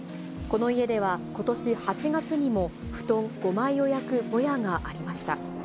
この家では、ことし８月にも布団５枚を焼くぼやがありました。